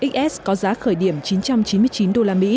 xs có giá khởi điểm chín trăm chín mươi chín usd